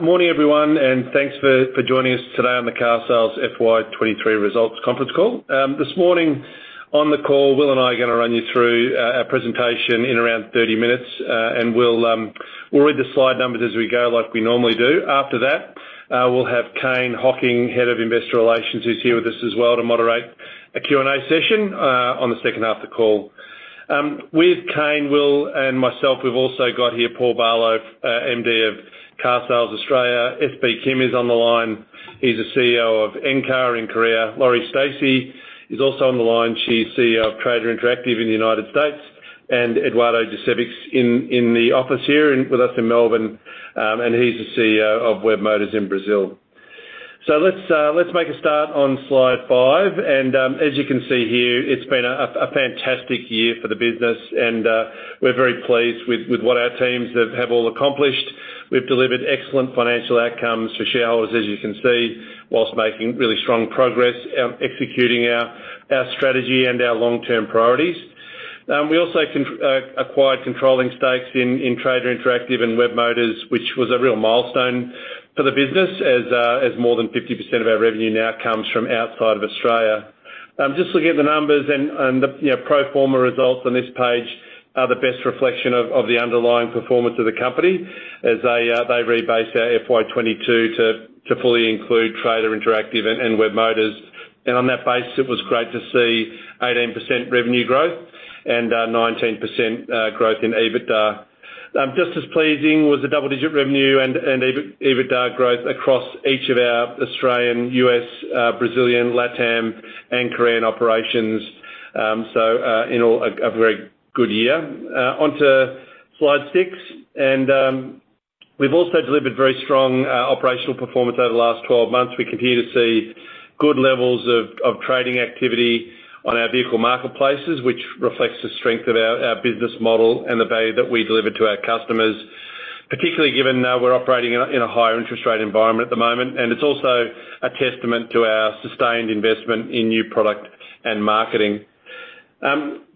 Morning, everyone, thanks for, for joining us today on the Carsales FY 2023 results conference call. This morning, on the call, Will and I are gonna run you through our presentation in around 30 minutes. And we'll, we'll read the Slide numbers as we go, like we normally do. After that, we'll have Kane Hocking, Head of Investor Relations, who's here with us as well, to moderate a Q&A session on the second half of the call. With Kane, Will, and myself, we've also got here Paul Barlow, MD of carsales Australia. SB Kim is on the line. He's the CEO of Encar in Korea. Lori Stacy is also on the line. She's CEO of Trader Interactive in the United States, and Eduardo Jurcevic in, in the office here with us in Melbourne, and he's the CEO of Webmotors in Brazil. Let's make a start on Slide 5. As you can see here, it's been a, a, a fantastic year for the business. We're very pleased with, with what our teams have, have all accomplished. We've delivered excellent financial outcomes for shareholders, as you can see, whilst making really strong progress at executing our, our strategy and our long-term priorities. We also acquired controlling stakes in, in Trader Interactive and Webmotors, which was a real milestone for the business, as as more than 50% of our revenue now comes from outside of Australia. Just looking at the numbers and, and the, you know, pro forma results on this page are the best reflection of, of the underlying performance of the company, as they rebase our FY 2022 to, to fully include Trader Interactive and, and Webmotors. On that basis, it was great to see 18% revenue growth and 19% growth in EBITDA. Just as pleasing was the double-digit revenue and, and EBITDA growth across each of our Australian, US, Brazilian, LatAm, and Korean operations. So, in all, a, a very good year. Onto Slide 6, we've also delivered very strong operational performance over the last 12 months. We continue to see good levels of trading activity on our vehicle marketplaces, which reflects the strength of our business model and the value that we deliver to our customers, particularly given we're operating in a higher interest rate environment at the moment. It's also a testament to our sustained investment in new product and marketing.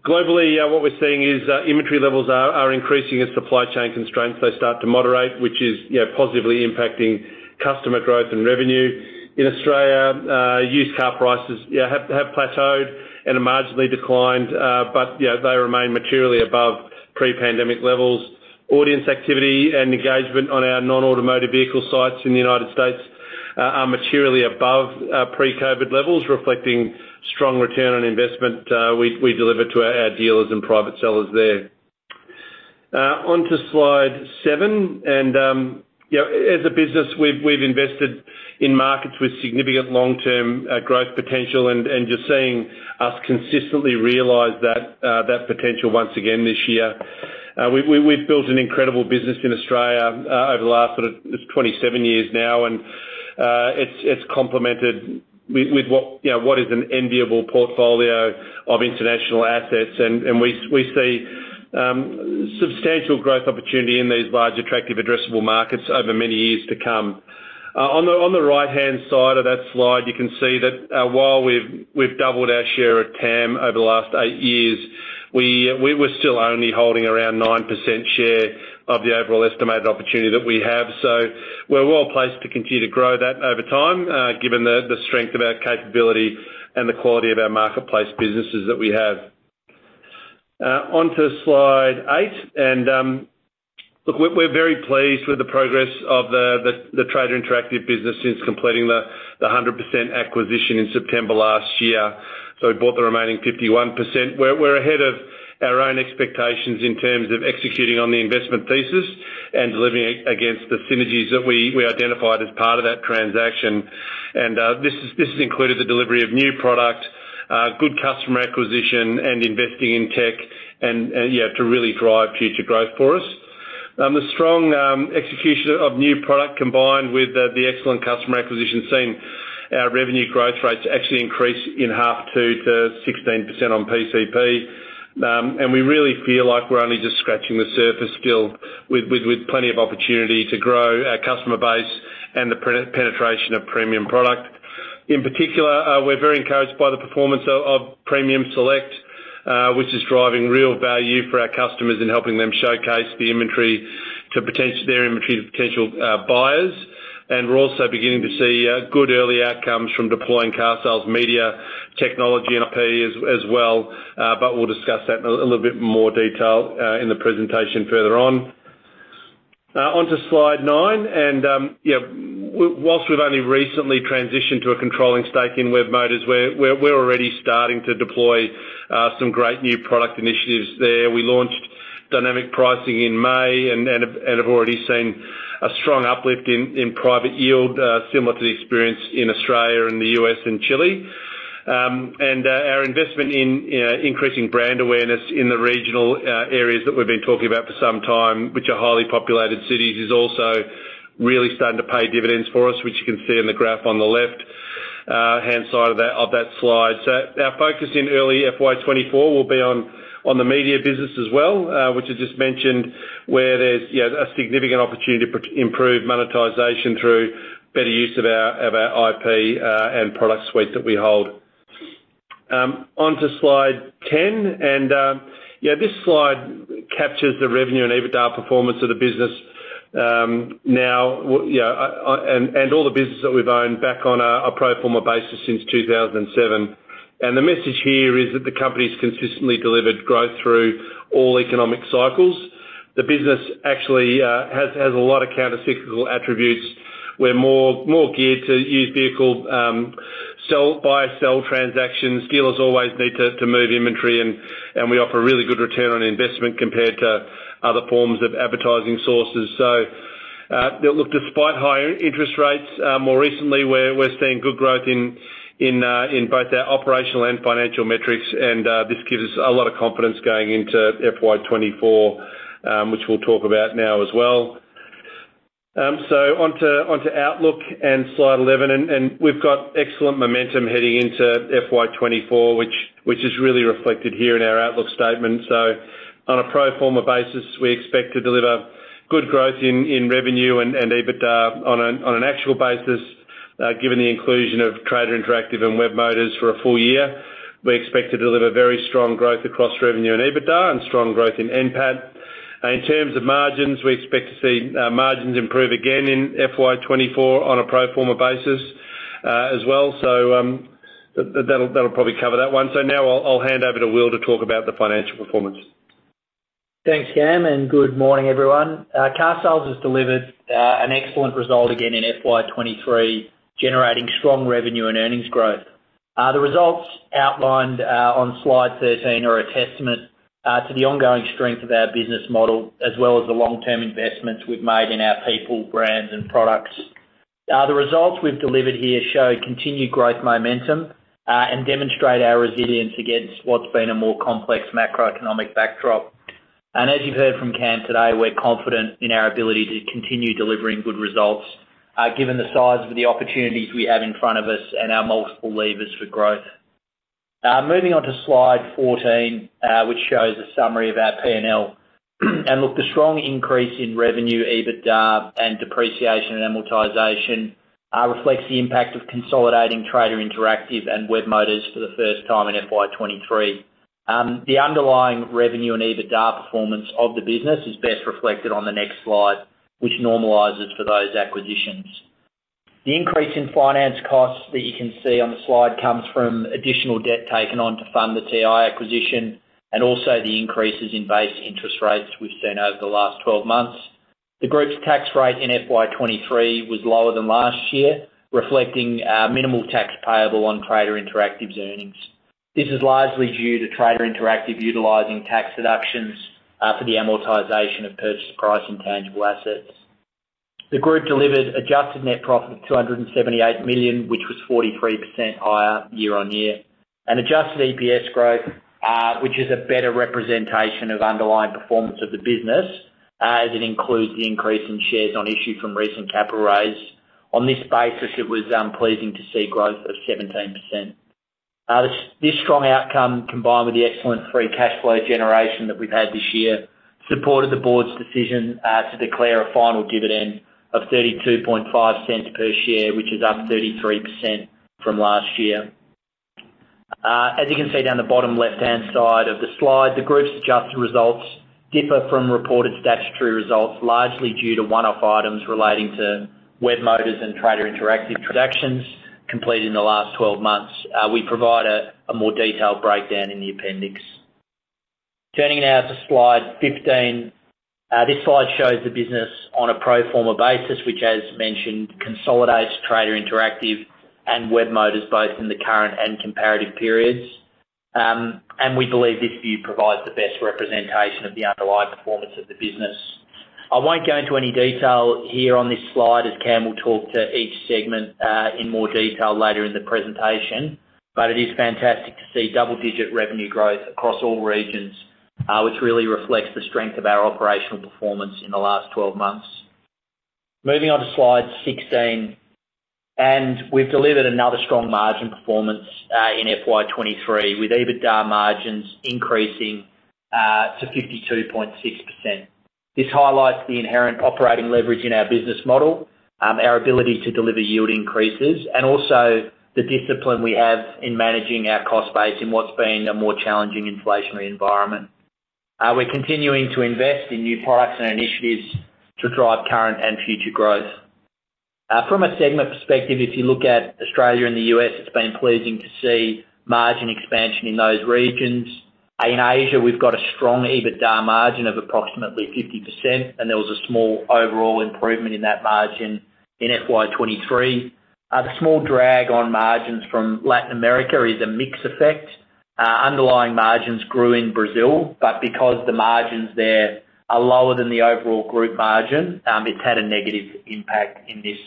Globally, what we're seeing is inventory levels are increasing as supply chain constraints may start to moderate, which is, you know, positively impacting customer growth and revenue. In Australia, used car prices have plateaued and have marginally declined, but, you know, they remain materially above pre-pandemic levels. Audience activity and engagement on our non-automotive vehicle sites in the United States are materially above pre-COVID levels, reflecting strong return on investment we, we deliver to our, our dealers and private sellers there. On to Slide 7, you know, as a business, we've, we've invested in markets with significant long-term growth potential, and you're seeing us consistently realize that potential once again this year. We've, we've, we've built an incredible business in Australia over the last sort of 27 years now, and it's, it's complemented with, with what, you know, what is an enviable portfolio of international assets. We s- we see substantial growth opportunity in these large, attractive, addressable markets over many years to come. On the right-hand side of that Slide, you can see that while we've doubled our share of TAM over the last eight years, we were still only holding around 9% share of the overall estimated opportunity that we have. We're well placed to continue to grow that over time, given the strength of our capability and the quality of our marketplace businesses that we have. Onto Slide 8, and look, we're very pleased with the progress of the Trader Interactive business since completing the 100% acquisition in September last year. We bought the remaining 51%. We're ahead of our own expectations in terms of executing on the investment thesis and delivering against the synergies that we identified as part of that transaction. This has included the delivery of new product, good customer acquisition, and investing in tech, and, yeah, to really drive future growth for us. The strong execution of new product, combined with the excellent customer acquisition, seen our revenue growth rates actually increase in half to, to 16% on PCP. We really feel like we're only just scratching the surface still, with plenty of opportunity to grow our customer base and the penetration of premium product. In particular, we're very encouraged by the performance of Premium Select, which is driving real value for our customers in helping them showcase the inventory to potential their inventory to potential buyers. We're also beginning to see good early outcomes from deploying carsales media technology and IP as well. We'll discuss that in a little bit more detail in the presentation further on. Onto Slide nine, yeah, whilst we've only recently transitioned to a controlling stake in Webmotors, we're, we're, we're already starting to deploy some great new product initiatives there. We launched dynamic pricing in May and, and, and have already seen a strong uplift in, in private yield similar to the experience in Australia and the U.S. and Chile. Our investment in increasing brand awareness in the regional areas that we've been talking about for some time, which are highly populated cities, is also really starting to pay dividends for us, which you can see in the graph on the left-hand side of that, of that Slide. Our focus in early FY 2024 will be on the media business as well, which I just mentioned, where there's, you know, a significant opportunity to improve monetization through better use of our IP and product suite that we hold. On to Slide 10, yeah, this Slide captures the revenue and EBITDA performance of the business. Now, yeah, all the business that we've owned back on a pro forma basis since 2007. The message here is that the company's consistently delivered growth through all economic cycles. The business actually has a lot of countercyclical attributes. We're more geared to used vehicle, sell, buy, sell transactions. Dealers always need to move inventory, and we offer a really good return on investment compared to other forms of advertising sources. Look, despite higher interest rates, more recently, we're seeing good growth in both our operational and financial metrics, and this gives us a lot of confidence going into FY 2024, which we'll talk about now as well. On to outlook and Slide 11, and we've got excellent momentum heading into FY 2024, which is really reflected here in our outlook statement. On a pro forma basis, we expect to deliver good growth in revenue and EBITDA on an actual basis, given the inclusion of Trader Interactive and Webmotors for a full year. We expect to deliver very strong growth across revenue and EBITDA and strong growth in NPAT. In terms of margins, we expect to see margins improve again in FY 2024 on a pro forma basis as well. That'll probably cover that one. Now I'll hand over to Will to talk about the financial performance. Thanks, Cam, and good morning, everyone. Carsales has delivered an excellent result again in FY 2023, generating strong revenue and earnings growth. The results outlined on Slide 13 are a testament to the ongoing strength of our business model, as well as the long-term investments we've made in our people, brands and products. The results we've delivered here show continued growth momentum and demonstrate our resilience against what's been a more complex macroeconomic backdrop. As you've heard from Cam today, we're confident in our ability to continue delivering good results, given the size of the opportunities we have in front of us and our multiple levers for growth. Moving on to Slide 14, which shows a summary of our P&L. Look, the strong increase in revenue, EBITDA, and depreciation and amortization reflects the impact of consolidating Trader Interactive and Webmotors for the first time in FY 2023. The underlying revenue and EBITDA performance of the business is best reflected on the next Slide, which normalizes for those acquisitions. The increase in finance costs that you can see on the Slide comes from additional debt taken on to fund the TI acquisition, and also the increases in base interest rates we've seen over the last 12 months. The group's tax rate in FY 2023 was lower than last year, reflecting minimal tax payable on Trader Interactive's earnings. This is largely due to Trader Interactive utilizing tax deductions for the amortization of purchase price and tangible assets. The group delivered adjusted net profit of AUD 278 million, which was 43% higher year-on-year. An adjusted EPS growth, which is a better representation of underlying performance of the business, as it includes the increase in shares on issue from recent capital raise. On this basis, it was pleasing to see growth of 17%. This, this strong outcome, combined with the excellent free cash flow generation that we've had this year, supported the board's decision to declare a final dividend of 0.325 per share, which is up 33% from last year. As you can see down the bottom left-hand side of the Slide, the group's adjusted results differ from reported statutory results, largely due to one-off items relating to Webmotors and Trader Interactive transactions completed in the last 12 months. We provide a, a more detailed breakdown in the appendix. Turning now to Slide 15. This Slide shows the business on a pro forma basis, which, as mentioned, consolidates Trader Interactive and Webmotors, both in the current and comparative periods. We believe this view provides the best representation of the underlying performance of the business. I won't go into any detail here on this Slide, as Cam will talk to each segment in more detail later in the presentation, but it is fantastic to see double-digit revenue growth across all regions, which really reflects the strength of our operational performance in the last 12 months. Moving on to Slide 16, we've delivered another strong margin performance in FY 2023, with EBITDA margins increasing to 52.6%. This highlights the inherent operating leverage in our business model, our ability to deliver yield increases, and also the discipline we have in managing our cost base in what's been a more challenging inflationary environment. We're continuing to invest in new products and initiatives to drive current and future growth. From a segment perspective, if you look at Australia and the US, it's been pleasing to see margin expansion in those regions. In Asia, we've got a strong EBITDA margin of approximately 50%, and there was a small overall improvement in that margin in FY 2023. The small drag on margins from Latin America is a mix effect. Underlying margins grew in Brazil, but because the margins there are lower than the overall group margin, it's had a negative impact in this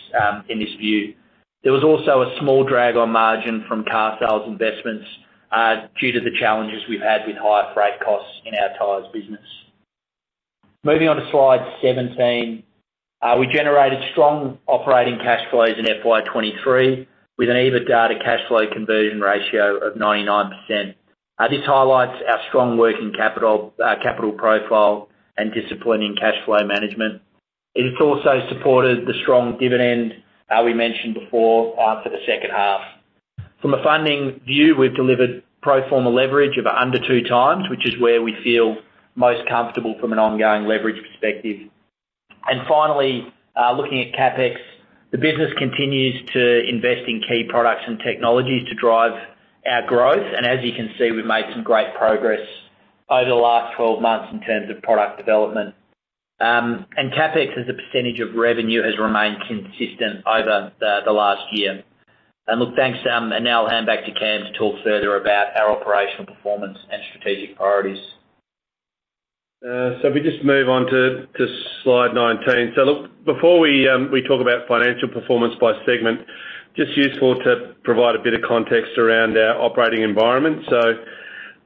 in this view. There was also a small drag on margin from carsales investments, due to the challenges we've had with higher freight costs in our tires business. Moving on to Slide 17, we generated strong operating cash flows in FY 2023, with an EBITDA to cash flow conversion ratio of 99%. This highlights our strong working capital, capital profile and discipline in cash flow management. It's also supported the strong dividend we mentioned before, for the second half. From a funding view, we've delivered pro forma leverage of under 2 times, which is where we feel most comfortable from an ongoing leverage perspective. Finally, looking at CapEx, the business continues to invest in key products and technologies to drive our growth. As you can see, we've made some great progress over the last 12 months in terms of product development. CapEx, as a percentage of revenue, has remained consistent over the last year. Look, thanks, and now I'll hand back to Cam to talk further about our operational performance and strategic priorities. If we just move on to, to Slide 19. Look, before we talk about financial performance by segment, just useful to provide a bit of context around our operating environment.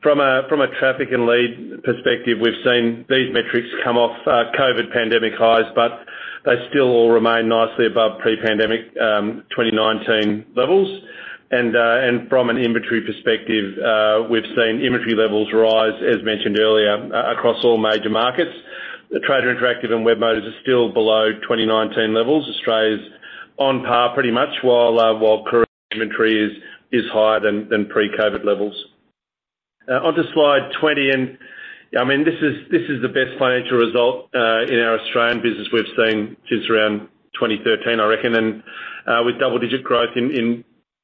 From a, from a traffic and lead perspective, we've seen these metrics come off COVID pandemic highs, but they still all remain nicely above pre-pandemic 2019 levels. From an inventory perspective, we've seen inventory levels rise, as mentioned earlier, across all major markets. The Trader Interactive and Webmotors are still below 2019 levels. Australia's on par pretty much, while Encar inventory is, is higher than, than pre-COVID levels. Onto Slide 20, and, I mean, this is, this is the best financial result in our Australian business we've seen since around 2013, I reckon, and with double-digit growth in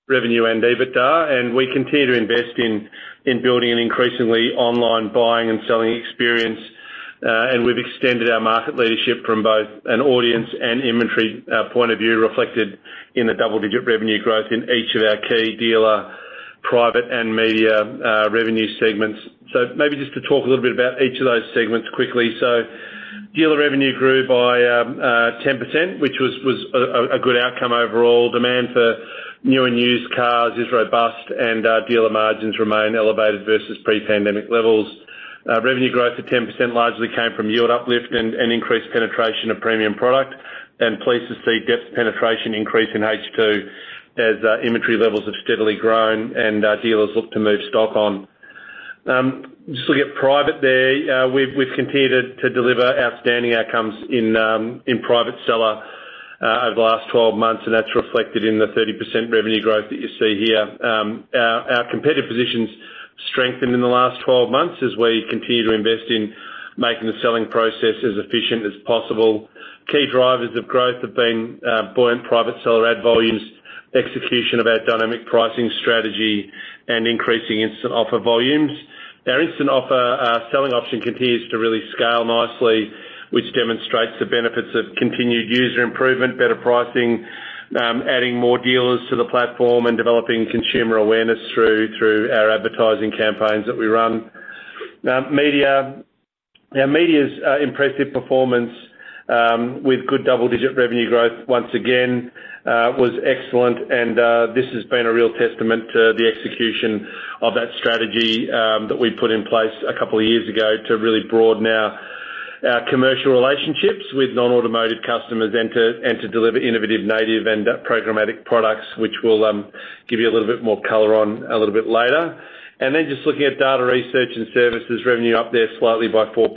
revenue and EBITDA, and we continue to invest in building an increasingly online buying and selling experience. We've extended our market leadership from both an audience and inventory point of view, reflected in the double-digit revenue growth in each of our key dealer, private, and media revenue segments. Maybe just to talk a little bit about each of those segments quickly. Dealer revenue grew by 10%, which was a good outcome overall. Demand for new and used cars is robust, and dealer margins remain elevated versus pre-pandemic levels. Revenue growth of 10% largely came from yield uplift and increased penetration of premium product, and pleased to see depth penetration increase in H2 as inventory levels have steadily grown and dealers look to move stock on. Just looking at private there, we've, we've continued to deliver outstanding outcomes in private seller over the last 12 months, and that's reflected in the 30% revenue growth that you see here. Our, our competitive position's strengthened in the last 12 months as we continue to invest in making the selling process as efficient as possible. Key drivers of growth have been buoyant private seller ad volumes, execution of our dynamic pricing strategy, and increasing Instant Offer volumes. Our Instant Offer selling option continues to really scale nicely, which demonstrates the benefits of continued user improvement, better pricing, adding more dealers to the platform, and developing consumer awareness through our advertising campaigns that we run. Now, media's impressive performance with good double-digit revenue growth, once again, was excellent, and this has been a real testament to the execution of that strategy that we put in place a couple of years ago to really broaden our commercial relationships with non-automotive customers and to deliver innovative, native, and programmatic products, which we'll give you a little bit more color on a little bit later. Just looking at data research and services revenue up there slightly by 4%,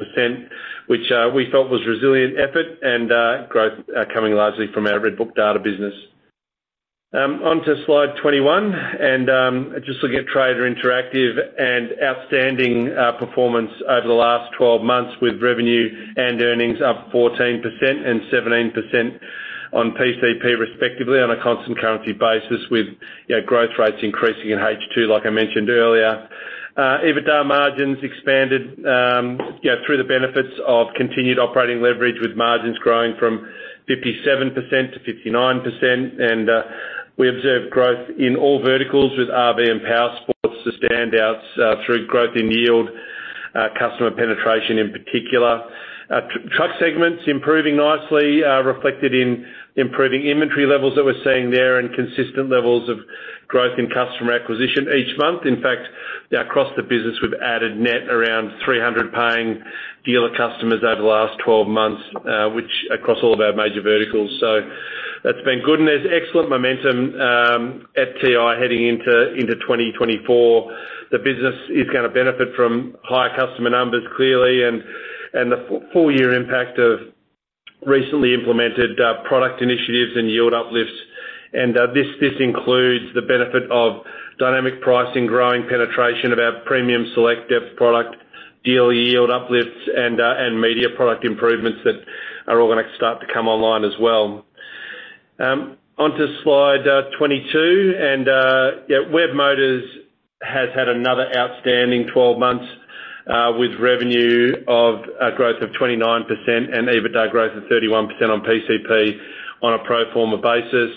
which we felt was resilient effort and growth coming largely from our RedBook data business. Onto Slide 21, just looking at Trader Interactive and outstanding performance over the last 12 months with revenue and earnings up 14% and 17% on PCP, respectively, on a constant currency basis, with, you know, growth rates increasing in H2, like I mentioned earlier. EBITDA margins expanded through the benefits of continued operating leverage, with margins growing from 57% to 59%. We observed growth in all verticals, with RV and Powersports, the standouts, through growth in yield, customer penetration, in particular. Truck segments improving nicely, reflected in improving inventory levels that we're seeing there, and consistent levels of growth in customer acquisition each month. In fact, across the business, we've added net around 300 paying dealer customers over the last 12 months, which across all of our major verticals. That's been good, and there's excellent momentum at TI heading into 2024. The business is gonna benefit from higher customer numbers, clearly, and the full year impact of recently implemented product initiatives and yield uplifts. This, this includes the benefit of dynamic pricing, growing penetration of our Premium Select depth product, dealer yield uplifts, and media product improvements that are all gonna start to come online as well. Onto Slide 22, Webmotors has had another outstanding 12 months, with revenue growth of 29% and EBITDA growth of 31% on PCP on a pro forma basis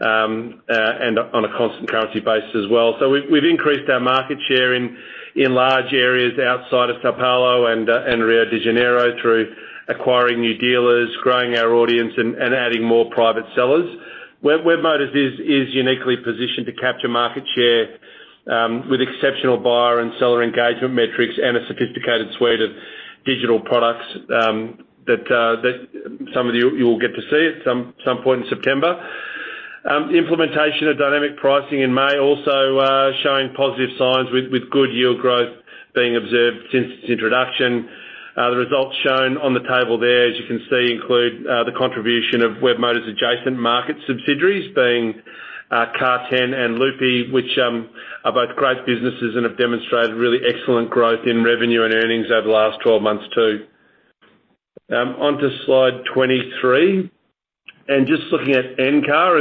and on a constant currency basis as well. We've increased our market share in large areas outside of São Paulo and Rio de Janeiro through acquiring new dealers, growing our audience, and adding more private sellers. Webmotors is uniquely positioned to capture market share with exceptional buyer and seller engagement metrics and a sophisticated suite of digital products that some of you will get to see at some point in September. The implementation of dynamic pricing in May also showing positive signs with good yield growth being observed since its introduction. The results shown on the table there, as you can see, include the contribution of Webmotors adjacent market subsidiaries, being Car10 and Loop, which are both great businesses and have demonstrated really excellent growth in revenue and earnings over the last 12 months, too. Onto Slide 23. Just looking at Encar,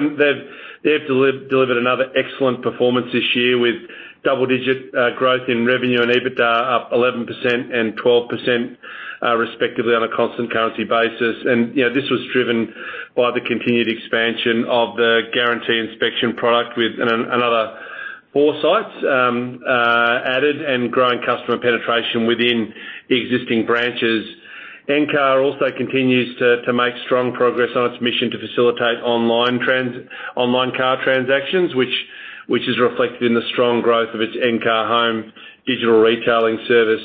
they've delivered another excellent performance this year, with double-digit growth in revenue and EBITDA, up 11% and 12%, respectively, on a constant currency basis. You know, this was driven by the continued expansion of the guarantee inspection product, with another four sites added, and growing customer penetration within the existing branches. Encar also continues to make strong progress on its mission to facilitate online car transactions, which is reflected in the strong growth of its Encar Home digital retailing service.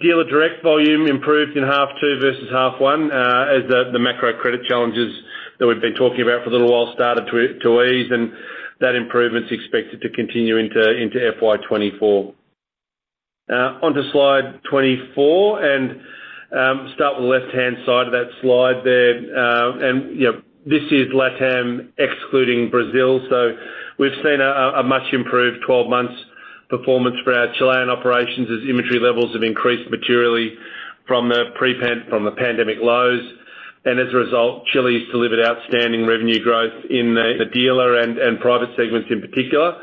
Dealer direct volume improved in H2 versus H1 as the macro credit challenges that we've been talking about for a little while started to ease, and that improvement's expected to continue into FY 2024. Onto Slide 24, start with the left-hand side of that Slide there. You know, this is LATAM excluding Brazil. We've seen a much improved 12 months performance for our Chilean operations as inventory levels have increased materially from the pandemic lows. As a result, Chile's delivered outstanding revenue growth in the dealer and private segments in particular.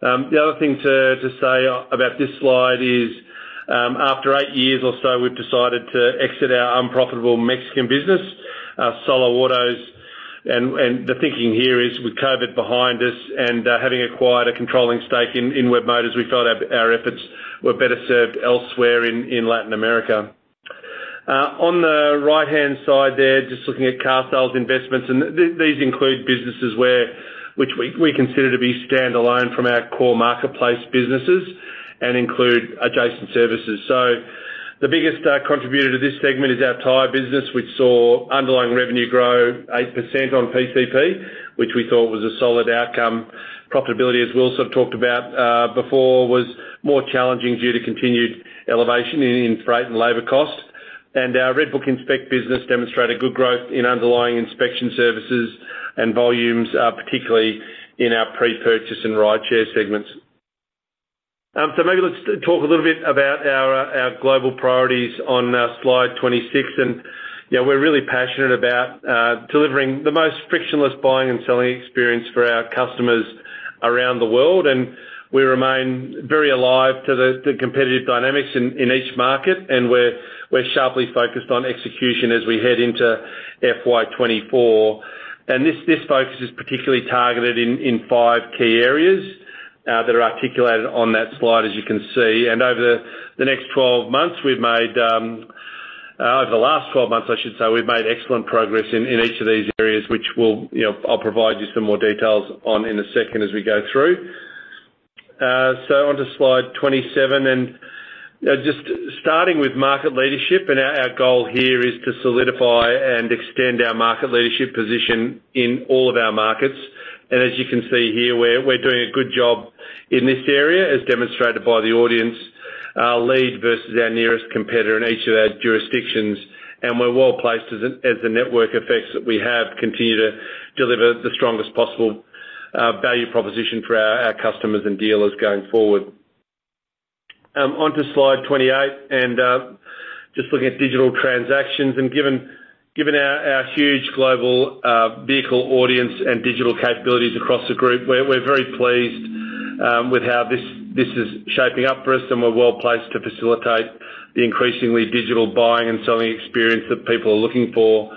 The other thing to say about this Slide is, after 8 years or so, we've decided to exit our unprofitable Mexican business, soloautos. The thinking here is, with COVID behind us and having acquired a controlling stake in Webmotors, we felt our efforts were better served elsewhere in Latin America. On the right-hand side there, just looking at carsales investments, and these include businesses which we consider to be standalone from our core marketplace businesses and include adjacent services. The biggest contributor to this segment is our tyres business, which saw underlying revenue grow 8% on PCP, which we thought was a solid outcome. Profitability, as we also talked about before, was more challenging due to continued elevation in freight and labor costs. Our RedBook Inspect business demonstrated good growth in underlying inspection services and volumes, particularly in our pre-purchase and rideshare segments. So maybe let's talk a little bit about our global priorities on Slide 26. You know, we're really passionate about delivering the most frictionless buying and selling experience for our customers around the world, and we remain very alive to the competitive dynamics in each market. We're sharply focused on execution as we head into FY 2024. This focus is particularly targeted in five key areas that are articulated on that Slide, as you can see. Over the next 12 months, we've made... Over the last 12 months, I should say, we've made excellent progress in, in each of these areas, which you know, I'll provide you some more details on in a second as we go through. onto Slide 27, just starting with market leadership, our goal here is to solidify and extend our market leadership position in all of our markets. As you can see here, we're, we're doing a good job in this area, as demonstrated by the audience lead versus our nearest competitor in each of our jurisdictions. We're well placed as the, as the network effects that we have continue to deliver the strongest possible value proposition for our, our customers and dealers going forward. onto Slide 28, and just looking at digital transactions, and given, given our, our huge global vehicle audience and digital capabilities across the group, we're, we're very pleased with how this, this is shaping up for us, and we're well placed to facilitate the increasingly digital buying and selling experience that people are looking for.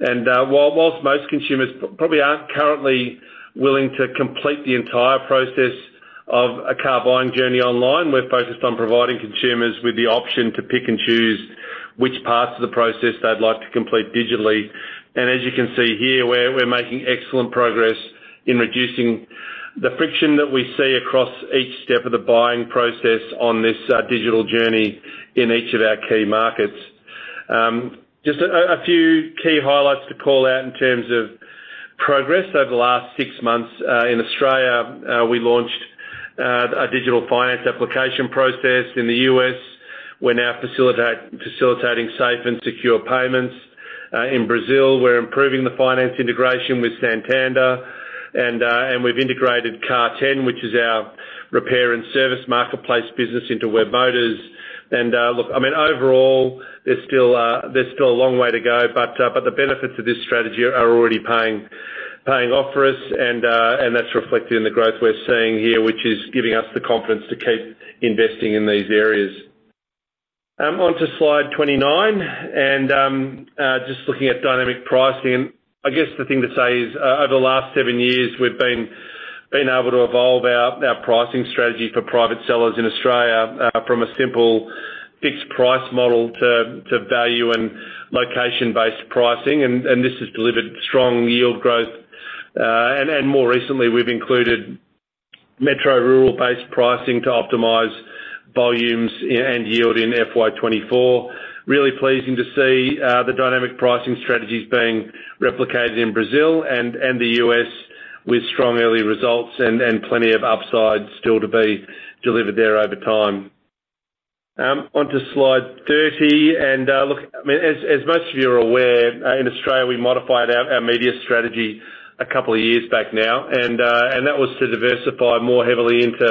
While, whilst most consumers probably aren't currently willing to complete the entire process of a car buying journey online, we're focused on providing consumers with the option to pick and choose which parts of the process they'd like to complete digitally. As you can see here, we're, we're making excellent progress in reducing the friction that we see across each step of the buying process on this digital journey in each of our key markets. Just a, a few key highlights to call out in terms of progress over the last six months. In Australia, we launched a digital finance application process. In the U.S., we're now facilitating safe and secure payments. In Brazil, we're improving the finance integration with Santander, and we've integrated Car10, which is our repair and service marketplace business, into Webmotors. Look, I mean, overall, there's still a long way to go, but the benefits of this strategy are already paying off for us, and that's reflected in the growth we're seeing here, which is giving us the confidence to keep investing in these areas. onto Slide 29, just looking at dynamic pricing, over the last 7 years, we've been able to evolve our pricing strategy for private sellers in Australia, from a simple fixed price model to value and location-based pricing, and this has delivered strong yield growth. more recently, we've included metro rural-based pricing to optimize volumes and yield in FY 2024. Really pleasing to see the dynamic pricing strategies being replicated in Brazil and the US, with strong early results and plenty of upsides still to be delivered there over time. onto Slide 30. Look, I mean, as, as most of you are aware, in Australia, we modified our, our media strategy a couple of years back now, and that was to diversify more heavily into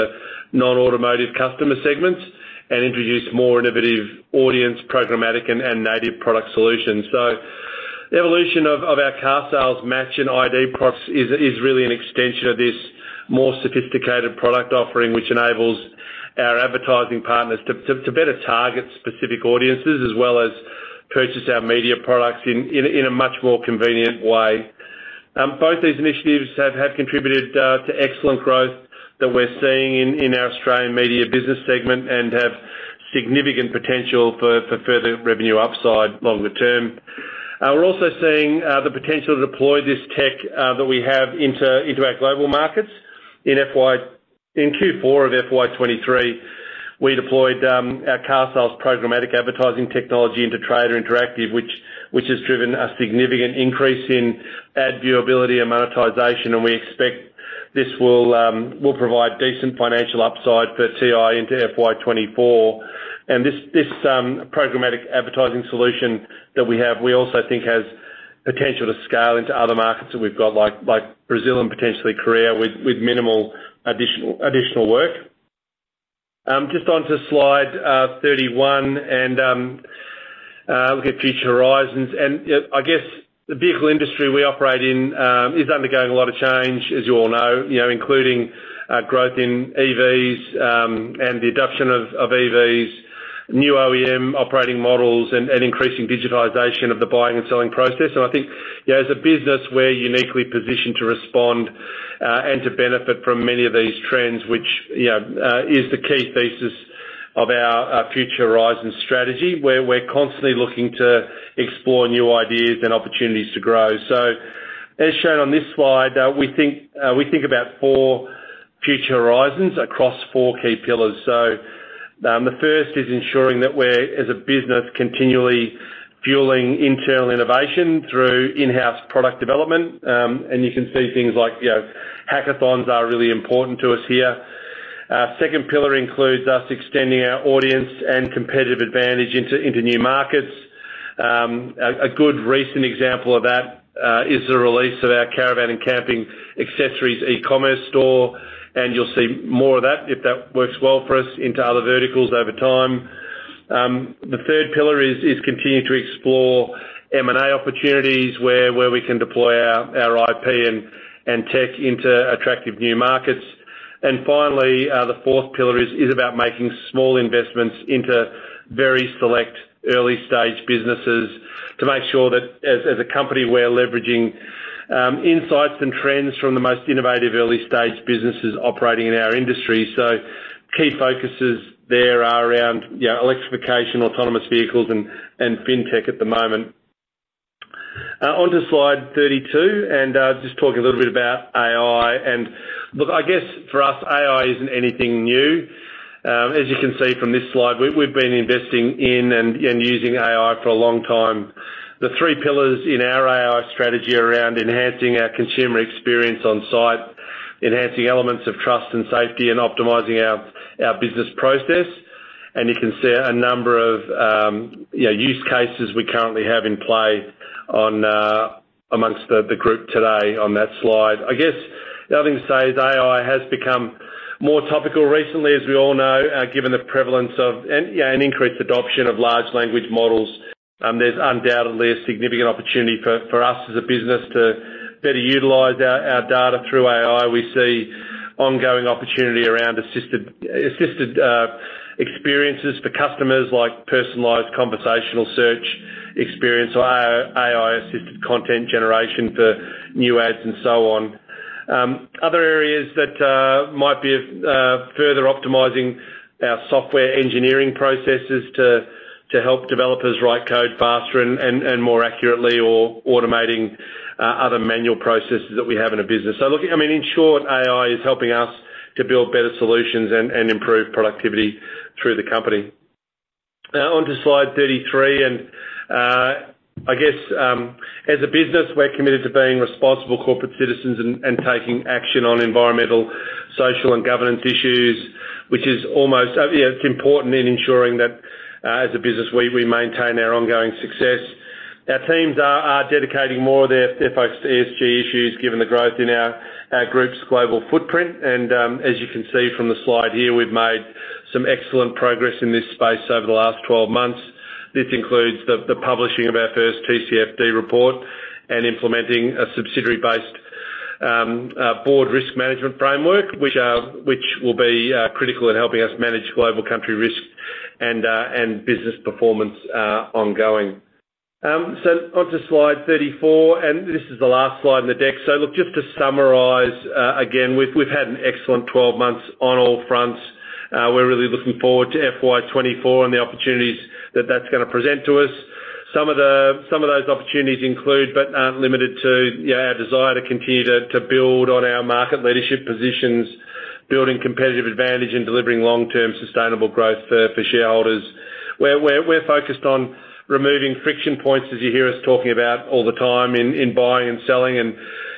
non-automotive customer segments, and introduce more innovative audience programmatic and, and native product solutions. The evolution of, of our carsales Match, and carsales ID products is, is really an extension of this more sophisticated product offering, which enables our advertising partners to, to, to better target specific audiences, as well as purchase our media products in, in a, in a much more convenient way. Both these initiatives have, have contributed to excellent growth that we're seeing in, in our Australian media business segment, and have significant potential for, for further revenue upside longer term. We're also seeing the potential to deploy this tech that we have into, into our global markets. In Q4 of FY 2023, we deployed our carsales programmatic advertising technology into Trader Interactive, which, which has driven a significant increase in ad viewability and monetization, and we expect this will provide decent financial upside for TI into FY 2024. This programmatic advertising solution that we have, we also think has potential to scale into other markets that we've got, like, like Brazil and potentially Korea, with, with minimal additional, additional work. Just onto Slide 31, and look at future horizons. I guess the vehicle industry we operate in, is undergoing a lot of change, as you all know, you know, including, growth in EVs, and the adoption of, of EVs, new OEM operating models, and, and increasing digitization of the buying and selling process. I think, you know, as a business, we're uniquely positioned to respond, and to benefit from many of these trends, which, you know, is the key thesis of our, our future horizon strategy, where we're constantly looking to explore new ideas and opportunities to grow. As shown on this Slide, we think, we think about 4 future horizons across 4 key pillars. The first is ensuring that we're, as a business, continually fueling internal innovation through in-house product development. You can see things like, you know, hackathons are really important to us here. Second pillar includes us extending our audience and competitive advantage into, into new markets. A good recent example of that is the release of our caravan and camping accessories e-commerce store, and you'll see more of that, if that works well for us, into other verticals over time. The third pillar is continuing to explore M&A opportunities, where we can deploy our IP and tech into attractive new markets. Finally, the fourth pillar is about making small investments into very select early-stage businesses, to make sure that as a company, we're leveraging insights and trends from the most innovative early-stage businesses operating in our industry. Key focuses there are around, you know, electrification, autonomous vehicles, and, and fintech at the moment. Onto Slide 32, just talk a little bit about AI. Look, I guess for us, AI isn't anything new. As you can see from this Slide, we've been investing in and, and using AI for a long time. The three pillars in our AI strategy are around enhancing our consumer experience on site, enhancing elements of trust and safety, and optimizing our, our business process. You can see a number of, you know, use cases we currently have in play amongst the, the group today on that Slide. I guess the other thing to say is AI has become more topical recently, as we all know, given the prevalence of and, yeah, and increased adoption of large language models, there's undoubtedly a significant opportunity for, for us as a business to better utilize our, our data through AI. We see ongoing opportunity around assisted, assisted experiences for customers, like personalized conversational search, experience AI, AI-assisted content generation for new ads, and so on. Other areas that might be of further optimizing our software engineering processes to, to help developers write code faster and, and, and more accurately, or automating other manual processes that we have in the business. Look, I mean, in short, AI is helping us to build better solutions and, and improve productivity through the company. Now onto Slide 33, I guess, as a business, we're committed to being responsible corporate citizens and taking action on Environmental, Social, and Governance issues, which is almost... you know, it's important in ensuring that, as a business, we, we maintain our ongoing success. Our teams are, are dedicating more of their, their focus to ESG issues, given the growth in our, our group's global footprint. As you can see from the Slide here, we've made some excellent progress in this space over the last 12 months. This includes the, the publishing of our first TCFD report, and implementing a subsidiary-based, board risk management framework, which will be critical in helping us manage global country risk and business performance, ongoing. On to Slide 34, and this is the last Slide in the deck. Look, just to summarize, again, we've, we've had an excellent 12 months on all fronts. We're really looking forward to FY 2024 and the opportunities that that's gonna present to us. Some of the, some of those opportunities include, but aren't limited to, yeah, our desire to continue to, to build on our market leadership positions, building competitive advantage, and delivering long-term sustainable growth for, for shareholders. We're, we're, we're focused on removing friction points, as you hear us talking about all the time in, in buying and selling, and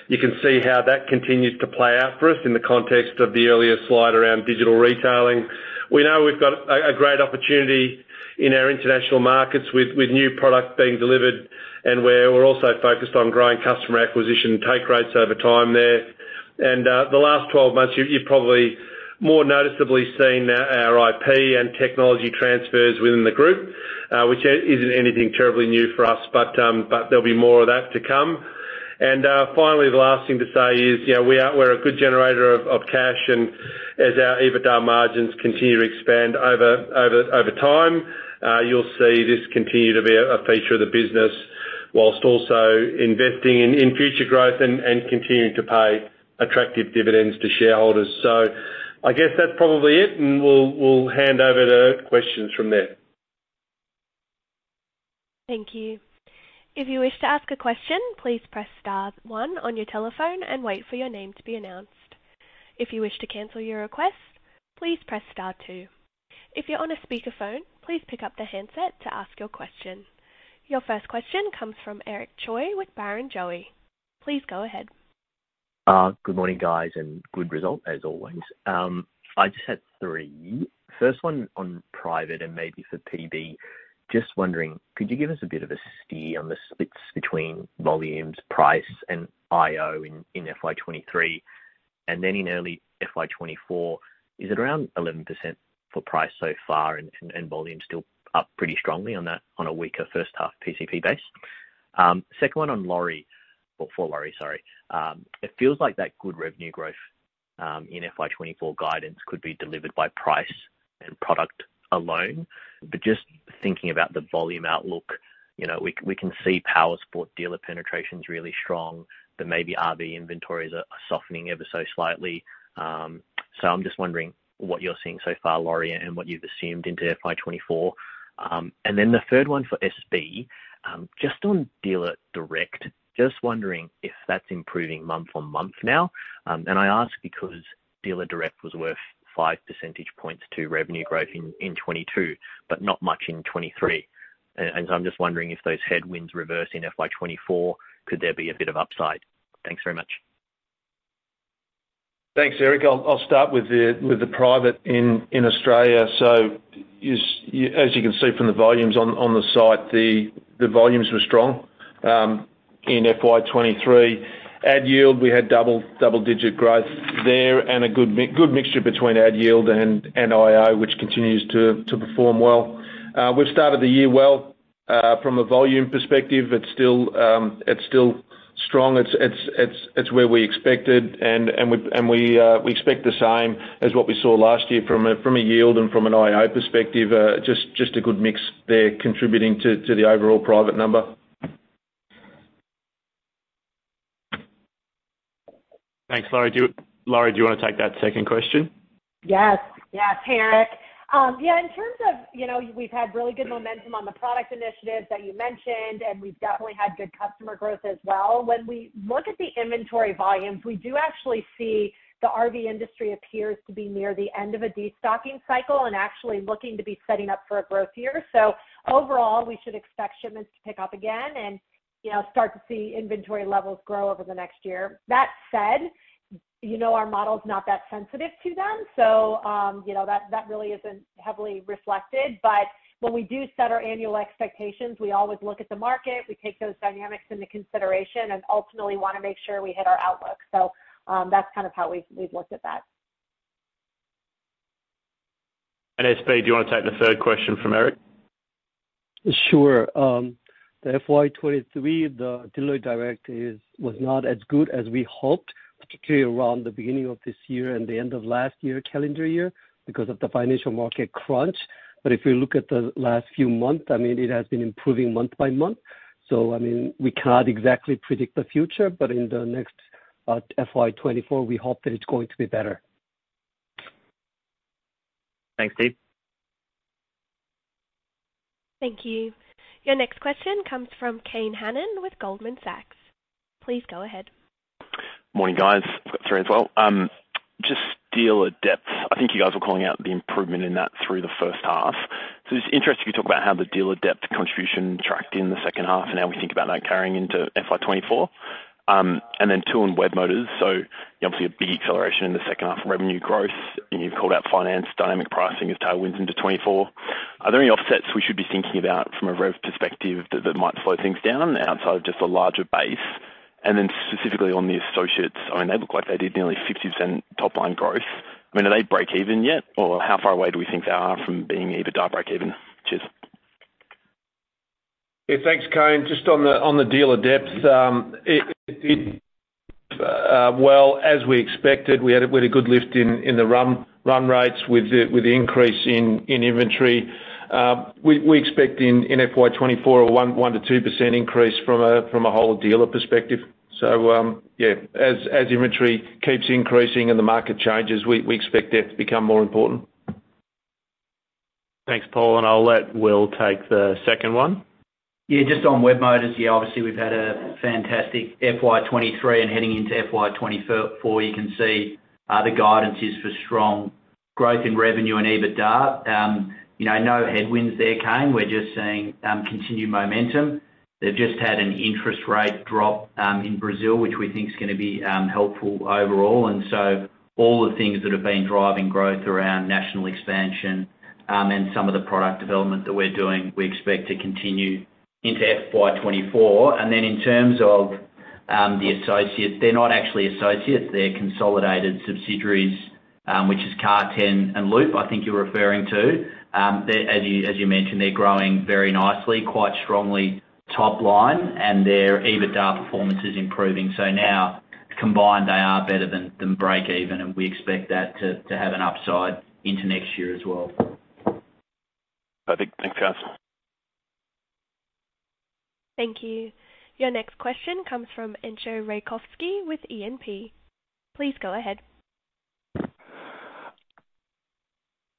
you can see how that continues to play out for us in the context of the earlier Slide around digital retailing. We know we've got a great opportunity in our international markets with new products being delivered and where we're also focused on growing customer acquisition and take rates over time there. The last 12 months, you've probably more noticeably seen our IP and technology transfers within the group, which isn't anything terribly new for us, but there'll be more of that to come. Finally, the last thing to say is, you know, we're a good generator of cash, and as our EBITDA margins continue to expand over time, you'll see this continue to be a feature of the business, whilst also investing in future growth and continuing to pay attractive dividends to shareholders. I guess that's probably it, and we'll hand over to questions from there. Thank you. If you wish to ask a question, please press star one on your telephone and wait for your name to be announced. If you wish to cancel your request, please press star two. If you're on a speakerphone, please pick up the handset to ask your question. Your first question comes from Eric Choi with Barrenjoey. Please go ahead. Good morning, guys, and good result as always. I just had 3. First one on private and maybe for PB. Just wondering, could you give us a bit of a steer on the splits between volumes, price, and IO in, in FY 2023? Then in early FY 2024, is it around 11% for price so far and, and volume still up pretty strongly on a, on a weaker first half PCP base? Second one on Lori, or for Lori, sorry. It feels like that good revenue growth, in FY 2024 guidance could be delivered by price and product alone. Just thinking about the volume outlook, you know, we, we can see power sport dealer penetration's really strong, that maybe RV inventories are, are softening ever so slightly. I'm just wondering what you're seeing so far, Laurie, and what you've assumed into FY 2024. Then the third one for SB. Just on dealer direct, just wondering if that's improving month-on-month now. I ask because dealer direct was worth 5 percentage points to revenue growth in 2022, but not much in 2023. I'm just wondering, if those headwinds reverse in FY 2024, could there be a bit of upside? Thanks very much. Thanks, Eric. I'll start with the private in Australia. As you can see from the volumes on the site, the volumes were strong in FY 2023. Ad yield, we had double-digit growth there and a good mixture between ad yield and IO, which continues to perform well. We've started the year well. From a volume perspective, it's still strong. It's where we expected, and we expect the same as what we saw last year from a yield and from an IO perspective, just a good mix there, contributing to the overall private number. Thanks, Lori. Lori, do you wanna take that second question? Yes. Yes, Eric. Yeah, you know, we've had really good momentum on the product initiatives that you mentioned, and we've definitely had good customer growth as well. When we look at the inventory volumes, we do actually see the RV industry appears to be near the end of a destocking cycle and actually looking to be setting up for a growth year. Overall, we should expect shipments to pick up again and, you know, start to see inventory levels grow over the next year. That said, you know, our model is not that sensitive to them, so, you know, that really isn't heavily reflected. When we do set our annual expectations, we always look at the market. We take those dynamics into consideration and ultimately wanna make sure we hit our outlook. That's kind of how we've looked at that. SB, do you want to take the third question from Eric? Sure. The FY 2023, the dealer direct is, was not as good as we hoped, particularly around the beginning of this year and the end of last year, calendar year, because of the financial market crunch. If you look at the last few months, I mean, it has been improving month by month. I mean, we cannot exactly predict the future, but in the next FY 2024, we hope that it's going to be better. Thanks, SB. Thank you. Your next question comes from Kane Hannan with Goldman Sachs. Please go ahead. Morning, guys. I've got 3 as well. Just dealer depth. I think you guys were calling out the improvement in that through the first half. Just interested, you talk about how the dealer depth contribution tracked in the second half, and how we think about that carrying into FY 2024. And then 2 on Webmotors. Obviously a big acceleration in the second half revenue growth, and you've called out finance dynamic pricing as tailwinds into 2024. Are there any offsets we should be thinking about from a rev perspective that, that might slow things down on the outside of just a larger base? And then specifically on the associates, I mean, they look like they did nearly 50% top-line growth. I mean, are they breakeven yet, or how far away do we think they are from being EBITDA breakeven? Cheers. Yeah, thanks, Kane. Just on the, on the dealer depth, it did well, as we expected. We had a pretty good lift in, in the run, run rates with the, with the increase in, in inventory. We, we expect in, in FY 2024, a 1%-2% increase from a, from a whole dealer perspective. Yeah, as, as inventory keeps increasing and the market changes, we, we expect that to become more important. Thanks, Paul, and I'll let Will take the second one. Just on Webmotors. Obviously, we've had a fantastic FY 2023 and heading into FY 2024, you can see, the guidance is for strong growth in revenue and EBITDA. You know, no headwinds there, Kane. We're just seeing continued momentum. They've just had an interest rate drop in Brazil, which we think is gonna be helpful overall. All the things that have been driving growth around national expansion and some of the product development that we're doing, we expect to continue into FY 2024. In terms of the associates, they're not actually associates, they're consolidated subsidiaries, which is Car10 and Loop, I think you're referring to. As you, as you mentioned, they're growing very nicely, quite strongly top line, and their EBITDA performance is improving. Now, combined, they are better than breakeven, and we expect that to have an upside into next year as well. Perfect. Thanks, guys. Thank you. Your next question comes from Entcho Raykovski with E&P. Please go ahead.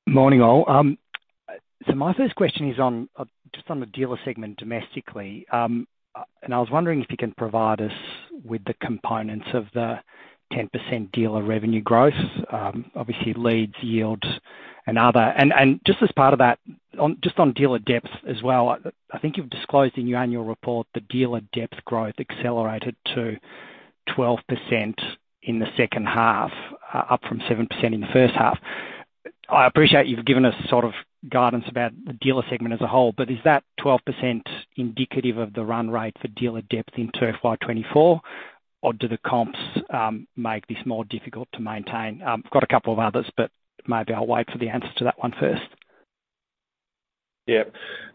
Morning, all. My first question is on just on the dealer segment domestically. I was wondering if you can provide us with the components of the 10% dealer revenue growth, obviously leads, yield and other. Just as part of that, on just on dealer depth as well, I think you've disclosed in your annual report that dealer depth growth accelerated to 12% in the second half, up from 7% in the first half. I appreciate you've given us sort of guidance about the dealer segment as a whole, but is that 12% indicative of the run rate for dealer depth in FY 2024, or do the comps make this more difficult to maintain? I've got a couple of others, but maybe I'll wait for the answer to that one first. Yeah.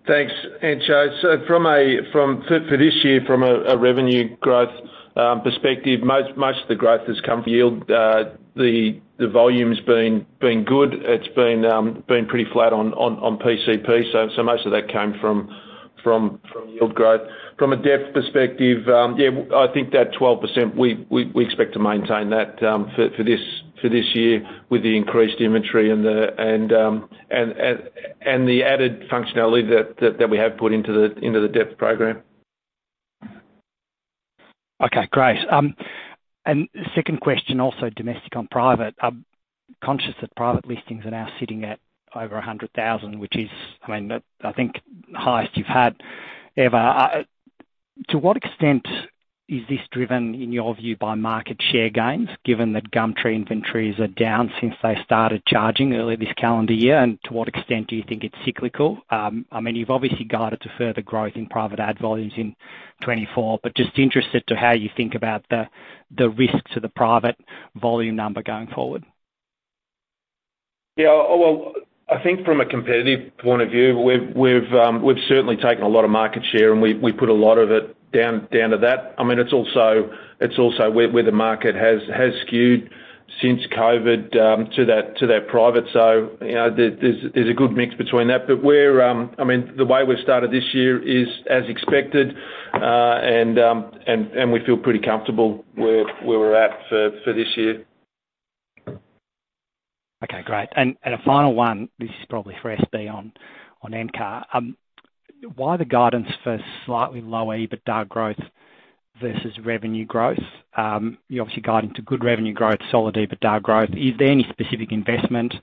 Thanks, Entcho. From a for this year, from a revenue growth perspective, most of the growth has come from yield. The volume's been good. It's been pretty flat on PCP, most of that came from yield growth. From a depth perspective, yeah, I think that 12%, we expect to maintain that for this year with the increased inventory and the added functionality that we have put into the depth program. Okay, great. Second question, also domestic on private. I'm conscious that private listings are now sitting at over 100,000, which is, I mean, the, I think, highest you've had ever. To what extent is this driven, in your view, by market share gains, given that Gumtree inventories are down since they started charging early this calendar year? To what extent do you think it's cyclical? I mean, you've obviously guided to further growth in private ad volumes in 2024, but just interested to how you think about the, the risks to the private volume number going forward. Yeah, well, I think from a competitive point of view, we've, we've, we've certainly taken a lot of market share, and we, we put a lot of it down, down to that. I mean, it's also, it's also where, where the market has, has skewed since COVID, to that, to that private. You know, there's, there's a good mix between that. We're... I mean, the way we've started this year is as expected, and, and we feel pretty comfortable where, where we're at for, for this year. Okay, great. A final one, this is probably for SB on Encar. Why the guidance for slightly lower EBITDA growth versus revenue growth? You're obviously guiding to good revenue growth, solid EBITDA growth. Is there any specific investment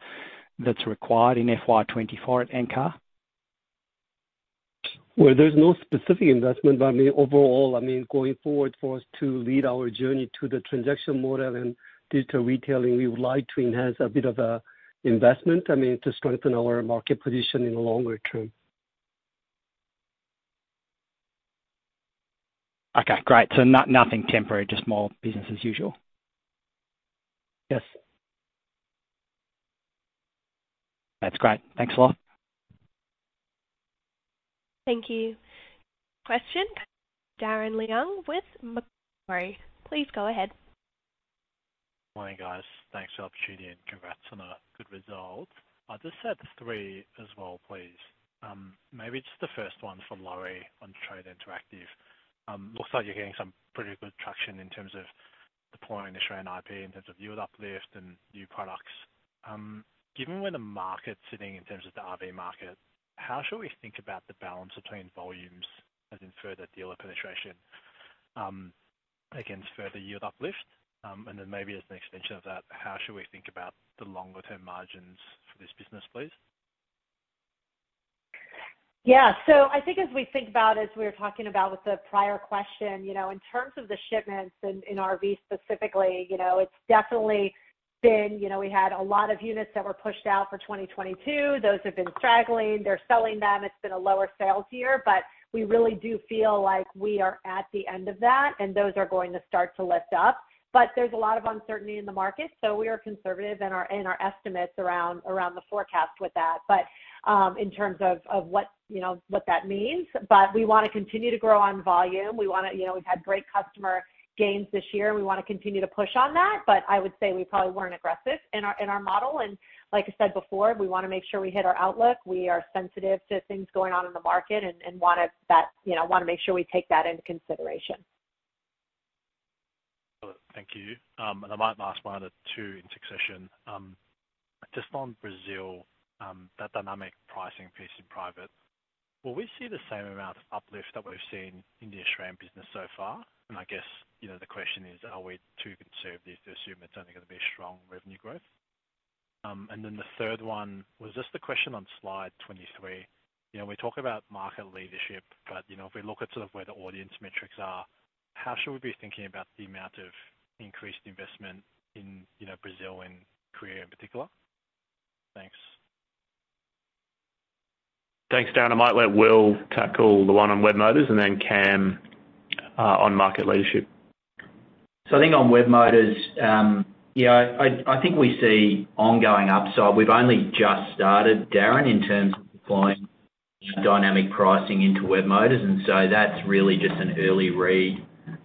that's required in FY 2024 at Encar? There's no specific investment, but I mean, overall, I mean, going forward, for us to lead our journey to the transaction model and digital retailing, we would like to enhance a bit of a investment, I mean, to strengthen our market position in the longer term. Okay, great. nothing temporary, just more business as usual? Yes. That's great. Thanks a lot. Thank you. Question, Darren Leung with Macquarie. Please go ahead. Morning, guys. Thanks for the opportunity. Congrats on a good result. I'll just set 3 as well, please. Maybe just the first one for Laurie on Trader Interactive. Looks like you're getting some pretty good traction in terms of deploying the Australian IP, in terms of yield uplift and new products. Given where the market's sitting in terms of the RV market, how should we think about the balance between volumes as in further dealer penetration, against further yield uplift? Then maybe as an extension of that, how should we think about the longer-term margins for this business, please? Yeah. I think as we think about, as we were talking about with the prior question, you know, in terms of the shipments in, in RV specifically, you know, it's definitely been. You know, we had a lot of units that were pushed out for 2022. Those have been straggling. They're selling them. It's been a lower sales year, but we really do feel like we are at the end of that, and those are going to start to lift up. There's a lot of uncertainty in the market, so we are conservative in our, in our estimates around, around the forecast with that. In terms of, of what, you know, what that means, but we wanna continue to grow on volume. We wanna, you know, we've had great customer gains this year. We wanna continue to push on that, but I would say we probably weren't aggressive in our, in our model. Like I said before, we wanna make sure we hit our outlook. We are sensitive to things going on in the market and, you know, wanna make sure we take that into consideration. Thank you. I might ask my other two in succession. Just on Brazil, that dynamic pricing piece in private, will we see the same amount of uplift that we've seen in the Australian business so far? I guess, you know, the question is, are we too conservative to assume it's only gonna be a strong revenue growth? Then the third one was just the question on Slide 23. You know, we talk about market leadership, but, you know, if we look at sort of where the audience metrics are, how should we be thinking about the amount of increased investment in, you know, Brazil and Korea in particular? Thanks. Thanks, Darren. I might let Will tackle the one on Webmotors and then Cam, on market leadership. I think on Webmotors, yeah, I, I think we see ongoing upside. We've only just started, Darren, in terms of deploying dynamic pricing into Webmotors. That's really just an early read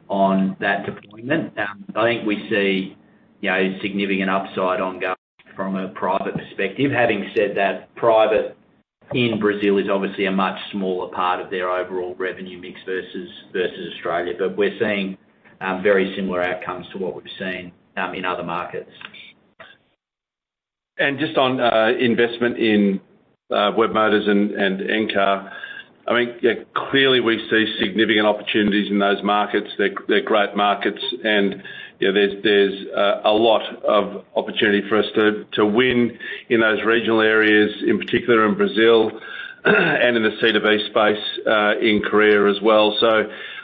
on that deployment. I think we see, you know, significant upside ongoing from a private perspective. Having said that, private in Brazil is obviously a much smaller part of their overall revenue mix versus, versus Australia, but we're seeing very similar outcomes to what we've seen in other markets. and Encar. I mean, yeah, clearly we see significant opportunities in those markets. They're, they're great markets, and, you know, there's, there's a lot of opportunity for us to, to win in those regional areas, in particular in Brazil, and in the C2B space in Korea as well.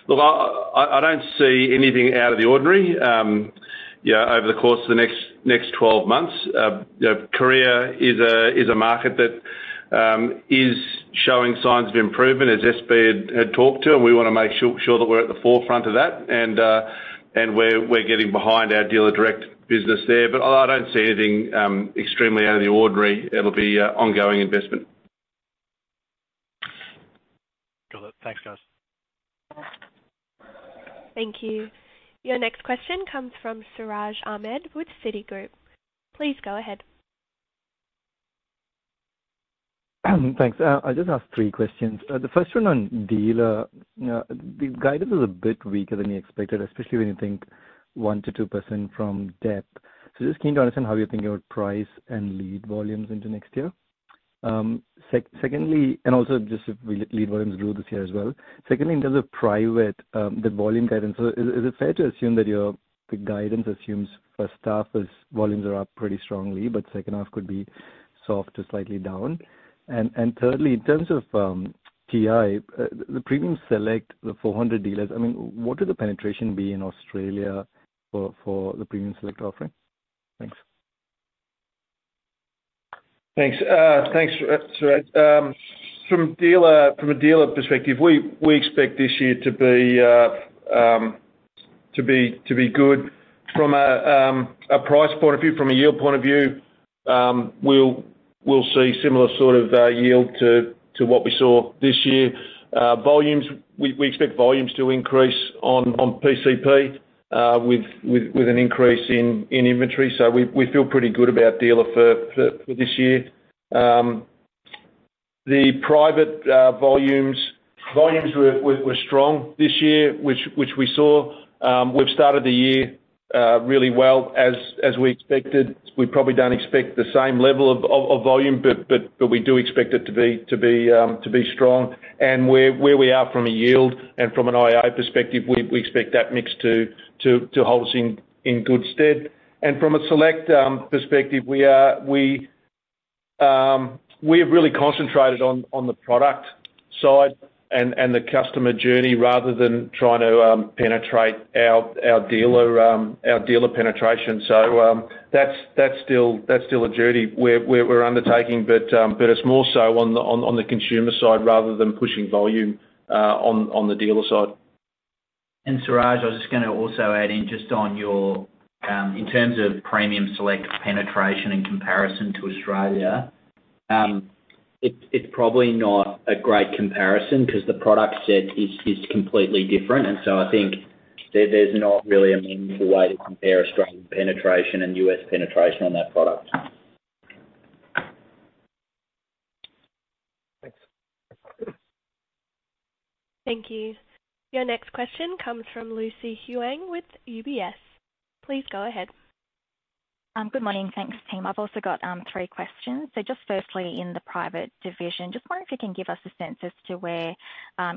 Look, I, I don't see anything out of the ordinary, yeah, over the course of the next 12 months. You know, Korea is a market that is showing signs of improvement, as SB had talked to, and we wanna make sure, sure that we're at the forefront of that. And we're, we're getting behind our dealer direct business there, but I, I don't see anything extremely out of the ordinary. It'll be ongoing investment. Got it. Thanks, guys. Thank you. Your next question comes from Siraj Ahmed with Citigroup. Please go ahead. Thanks. I'll just ask 3 questions. The first one on dealer. The guidance is a bit weaker than we expected, especially when you think 1%-2% from depth. Just keen to understand how you're thinking about price and lead volumes into next year. Secondly, and also just lead volumes grew this year as well. Secondly, in terms of private, the volume guidance, is it fair to assume that the guidance assumes first half is volumes are up pretty strongly, but second half could be soft to slightly down? Thirdly, in terms of TI, the Premium Select, the 400 dealers, I mean, what would the penetration be in Australia for the Premium Select offering? Thanks. Thanks. Thanks, Siraj. From dealer, from a dealer perspective, we, we expect this year to be good. From a price point of view, from a yield point of view, we'll, we'll see similar sort of yield to what we saw this year. Volumes, we, we expect volumes to increase on PCP with an increase in inventory. We, we feel pretty good about dealer for this year. The private volumes, volumes were strong this year, which we saw. We've started the year really well, as we expected. We probably don't expect the same level of volume, but we do expect it to be strong. Where, where we are from a yield and from an IO perspective, we, we expect that mix to, to, to hold us in, in good stead. From a select perspective, we are-- we, we have really concentrated on, on the product side and, and the customer journey rather than trying to penetrate our, our dealer, our dealer penetration. That's, that's still, that's still a journey we're, we're, we're undertaking, but, but it's more so on the, on, on the consumer side rather than pushing volume on, on the dealer side. Siraj, I was just gonna also add in just on your, in terms of Premium Select penetration in comparison to Australia, it's, it's probably not a great comparison because the product set is, is completely different. So I think there, there's not really a meaningful way to compare Australian penetration and US penetration on that product. Thanks. Thank you. Your next question comes from Lucy Huang with UBS. Please go ahead. Good morning. Thanks, team. I've also got three questions. Just firstly, in the private division, just wonder if you can give us a sense as to where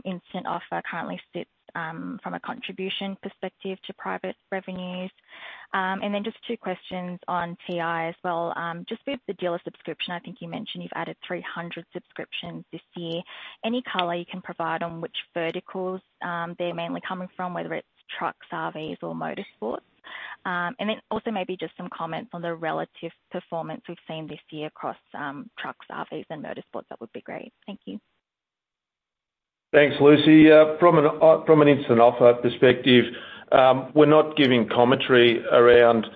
Instant Offer currently sits from a contribution perspective to private revenues? Then just two questions on TI as well. Just with the dealer subscription, I think you mentioned you've added 300 subscriptions this year. Any color you can provide on which verticals they're mainly coming from, whether it's trucks, RVs or powersports? Then also maybe just some comments on the relative performance we've seen this year across trucks, RVs and powersports? That would be great. Thank you. Thanks, Lucy. From an Instant Offer perspective, we're not giving commentary around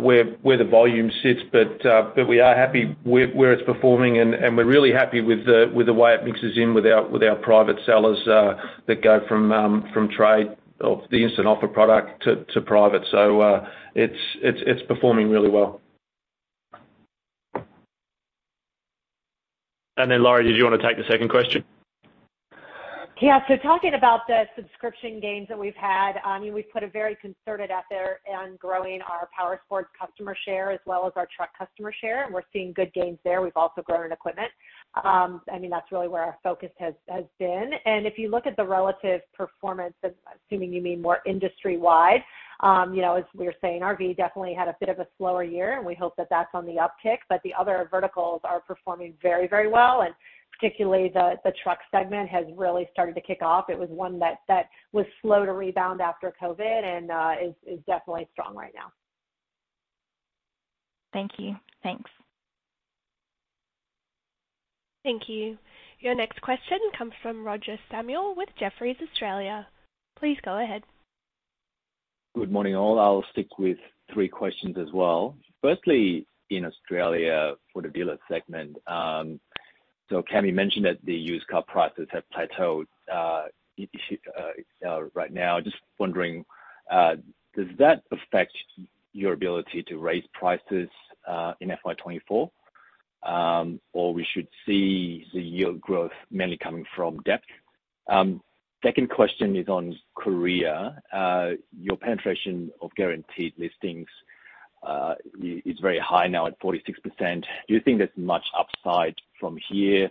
where the volume sits, but we are happy where it's performing, and we're really happy with the way it mixes in with our private sellers that go from trade of the Instant Offer product to private. It's performing really well. Then, Lori, did you wanna take the second question? Yeah. Talking about the subscription gains that we've had, I mean, we've put a very concerted effort on growing our powersports customer share as well as our truck customer share, and we're seeing good gains there. We've also grown in equipment. I mean, that's really where our focus has, has been. If you look at the relative performance, assuming you mean more industry-wide, you know, as we were saying, RV definitely had a bit of a slower year, and we hope that that's on the uptick. The other verticals are performing very, very well, and particularly the, the truck segment has really started to kick off. It was one that, that was slow to rebound after COVID and, is, is definitely strong right now. Thank you. Thanks. Thank you. Your next question comes from Roger Samuel with Jefferies Australia. Please go ahead. Good morning, all. I'll stick with three questions as well. Firstly, in Australia for the dealer segment, so Cam mentioned that the used car prices have plateaued, i- right now. Just wondering, does that affect your ability to raise prices in FY 2024? We should see the yield growth mainly coming from depth. Second question is on Korea. Your penetration of guaranteed listings, y- is very high now at 46%. Do you think there's much upside from here?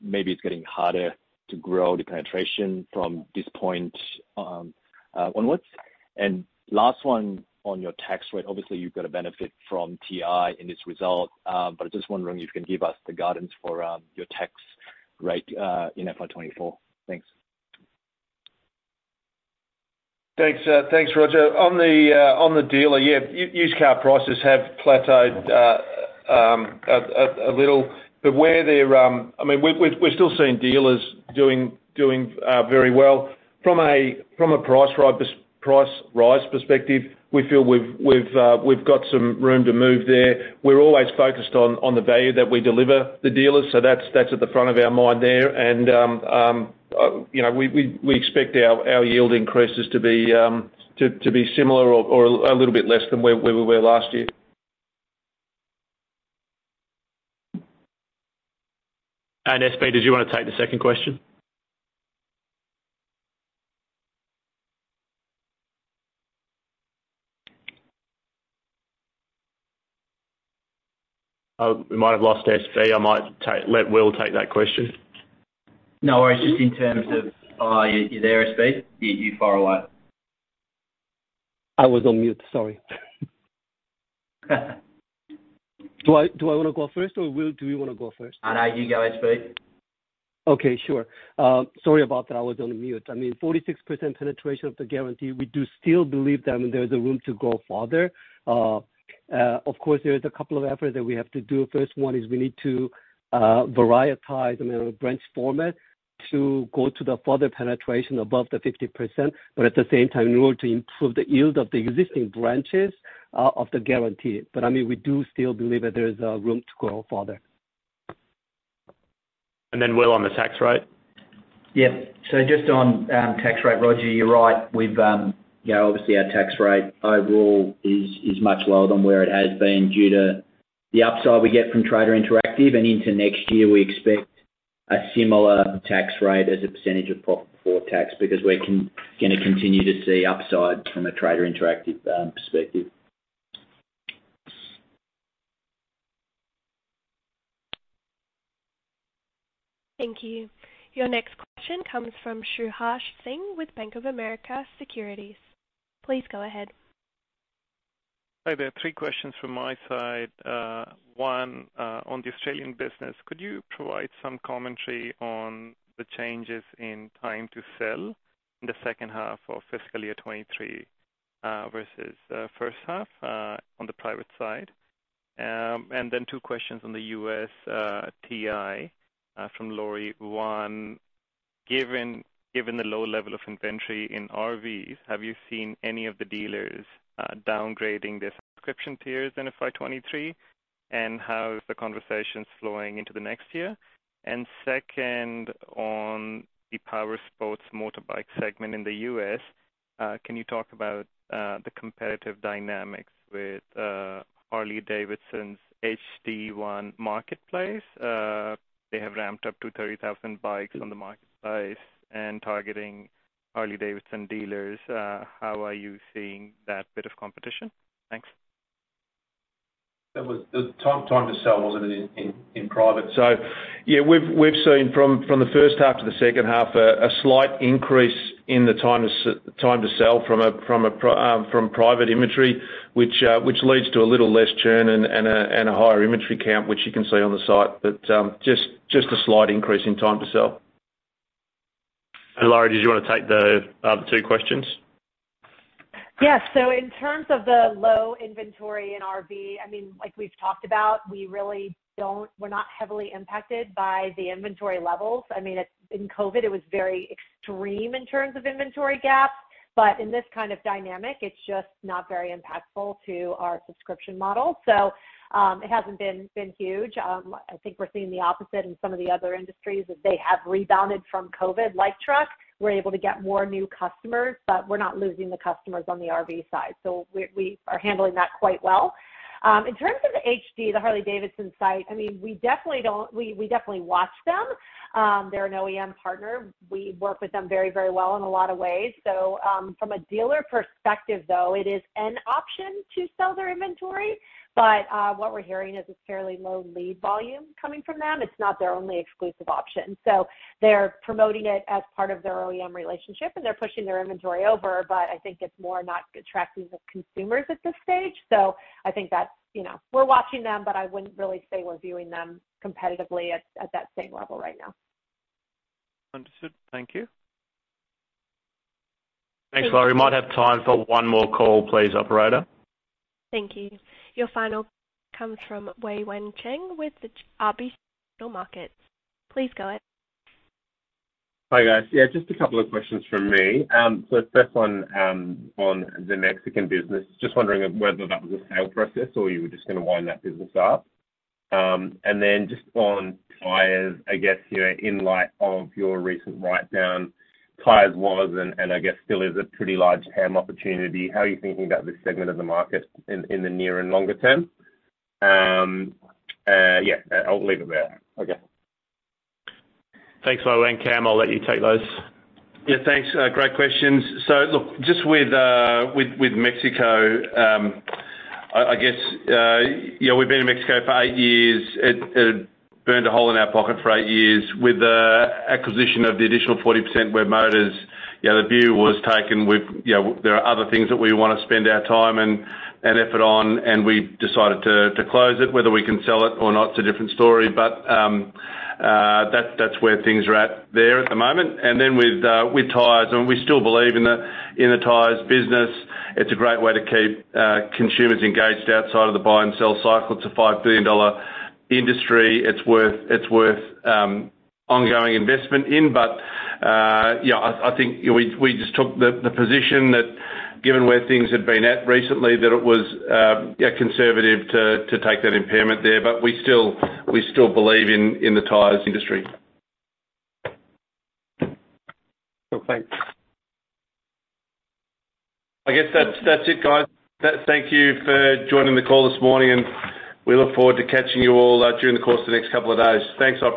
Maybe it's getting harder to grow the penetration from this point onwards. Last one on your tax rate. Obviously, you've got a benefit from TI in this result, but just wondering if you can give us the guidance for your tax rate in FY 2024. Thanks. Thanks, thanks, Roger. On the, on the dealer, yeah, used car prices have plateaued a little, but where they're-- I mean, we've, we've we're still seeing dealers doing, doing very well. From a, from a price price rise perspective, we feel we've, we've, we've got some room to move there. We're always focused on, on the value that we deliver the dealers, so that's, that's at the front of our mind there. You know, we, we, we expect our, our yield increases to be, to be similar or, or a little bit less than where, where we were last year. SB, did you want to take the second question? Oh, we might have lost SB. I might take, let Will take that question. No worries. Just in terms of... You there, SB? Yeah, you far away. I was on mute. Sorry. Do I, do I wanna go first, or, Will, do you wanna go first? no, you go, SB. Okay, sure. Sorry about that. I was on mute. I mean, 46% penetration of the guarantee, we do still believe that there's a room to grow farther. Of course, there is a couple of efforts that we have to do. First one is we need to, varietize, I mean, our branch format, to go to the farther penetration above the 50%, but at the same time, in order to improve the yield of the existing branches, of the guarantee. I mean, we do still believe that there is room to grow farther. Will, on the tax rate? Yeah. Just on tax rate, Roger, you're right. We've, you know, obviously, our tax rate overall is, is much lower than where it has been due to the upside we get from Trader Interactive. Into next year, we expect a similar tax rate as a percentage of profit before tax, because we're gonna continue to see upside from a Trader Interactive perspective. Thank you. Your next question comes from Subhash Singh with Bank of America Securities. Please go ahead. Hi there. Three questions from my side. One, on the Australian business, could you provide some commentary on the changes in time to sell in the second half of fiscal year 2023 versus first half on the private side? Then two questions on the US TI from Lori. One, given, given the low level of inventory in RVs, have you seen any of the dealers downgrading their subscription tiers in FY 2023? How is the conversation flowing into the next year? Second, on the powersports motorbike segment in the US, can you talk about the competitive dynamics with Harley-Davidson's HD1 Marketplace? They have ramped up to 30,000 bikes on the marketplace and targeting Harley-Davidson dealers. How are you seeing that bit of competition? Thanks. That was the time, time to sell, wasn't it, in private. Yeah, we've, we've seen from, from the first half to the second half, a slight increase in the time to sell from a private inventory, which leads to a little less churn and a higher inventory count, which you can see on the site. Just a slight increase in time to sell. Lori, did you wanna take the two questions? Yes. In terms of the low inventory in RV, I mean, like we've talked about, we really don't we're not heavily impacted by the inventory levels. I mean, it in COVID, it was very extreme in terms of inventory gaps, but in this kind of dynamic, it's just not very impactful to our subscription model. It hasn't been, been huge. I think we're seeing the opposite in some of the other industries, that they have rebounded from COVID, like truck. We're able to get more new customers, but we're not losing the customers on the RV side. We're, we are handling that quite well. In terms of the HD, the Harley-Davidson site, I mean, we definitely watch them. They're an OEM partner. We work with them very, very well in a lot of ways. From a dealer perspective, though, it is an option to sell their inventory, but what we're hearing is it's fairly low lead volume coming from them. It's not their only exclusive option. They're promoting it as part of their OEM relationship, and they're pushing their inventory over. But I think it's more not attracting the consumers at this stage. I think that's, you know, we're watching them, but I wouldn't really say we're viewing them competitively at that same level right now. Understood. Thank you. Thanks, Lori. We might have time for one more call, please, operator. Thank you. Your final comes from Wei Weng Chen with RBC Capital Markets. Please go ahead. Hi, guys. Yeah, just a couple of questions from me. First one, on the Mexican business. Just wondering whether that was a sale process or you were just gonna wind that business up? Just on tires, I guess, you know, in light of your recent write-down, tires was, and, and I guess still is a pretty large TAM opportunity. How are you thinking about this segment of the market in, in the near and longer term? Yeah, I'll leave it there. Okay. Thanks, Wei. Cam, I'll let you take those. Yeah, thanks. Great questions. Look, just with, with Mexico, I, I guess, you know, we've been in Mexico for eight years. It, it burned a hole in our pocket for eight years. With the acquisition of the additional 40% Webmotors, you know, the view was taken with, you know, there are other things that we wanna spend our time and, and effort on, and we decided to, to close it. Whether we can sell it or not, it's a different story, that's where things are at there at the moment. Then with, with tires, we still believe in the, in the tires business. It's a great way to keep consumers engaged outside of the buy and sell cycle. It's an 5 billion dollar industry. It's worth, it's worth ongoing investment in. Yeah, I, I think we, we just took the, the position that given where things had been at recently, that it was, yeah, conservative to, to take that impairment there. We still, we still believe in, in the tires industry. Cool, thanks. I guess that's, that's it, guys. Thank you for joining the call this morning. We look forward to catching you all during the course of the next couple of days. Thanks, operator.